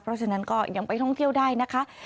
เพราะฉะนั้นก็ยังไปท่องเที่ยวได้นะคะ